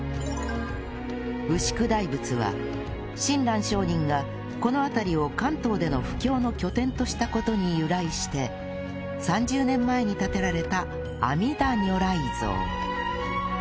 牛久大仏は親鸞聖人がこの辺りを関東での布教の拠点とした事に由来して３０年前に建てられた阿弥陀如来像